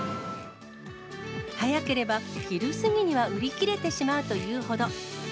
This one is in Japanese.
早ければ昼過ぎには売り切れてしまうというほど。